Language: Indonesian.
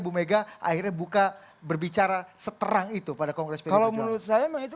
bu mega akhirnya buka berbicara seterang itu pada kongres menurut saya itu